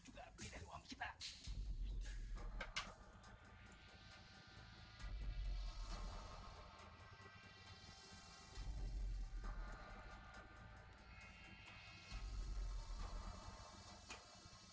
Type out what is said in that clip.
tetap ada tapi nggak w joker